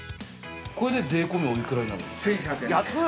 これで税込みおいくらになるんですか？